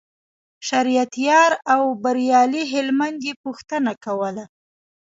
شریعت یار او بریالي هلمند یې پوښتنه کوله.